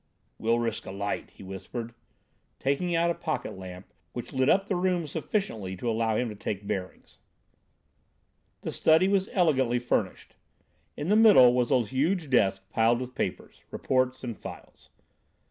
"We'll risk a light," he whispered, taking out a pocket lamp, which lit up the room sufficiently to allow him to take his bearings. The study was elegantly furnished. In the middle was a huge desk piled with papers, reports, and files.